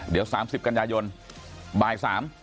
เดี๋ยว๓๐กันยายนบ่าย๓